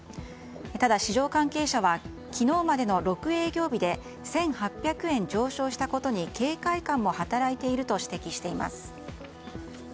ただ、市場関係者は昨日までの６営業日で１８００円上昇したことに警戒感も働いていると指摘しています。